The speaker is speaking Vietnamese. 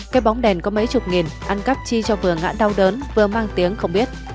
cái bóng đèn có mấy chục nghìn ăn cắp chi cho vừa ngã đau đớn vừa mang tiếng không biết